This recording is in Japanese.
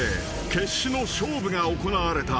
決死の勝負が行われた］